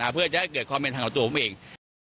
เพื่อจะให้เกิดความเป็นธรรมกับตัวผมเอง